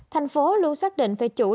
thành phố luôn xác định về chủ đề